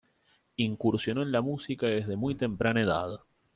Incursionó en la música desde muy temprana edad.